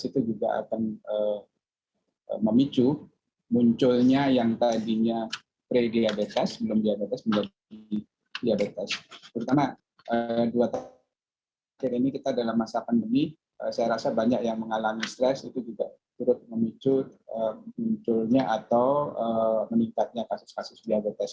itu juga turut memicu munculnya atau meningkatnya kasus kasus diabetes